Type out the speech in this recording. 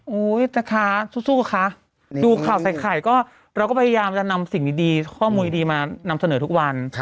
นะคะสู้คะดูข่าวใส่ไข่ก็เราก็พยายามจะนำสิ่งดีข้อมูลดีมานำเสนอทุกวัน